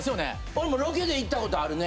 俺もロケで行ったことあるね。